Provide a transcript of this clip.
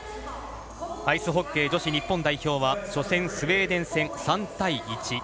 アイスホッケー女子日本代表は初戦のスウェーデン戦３対１。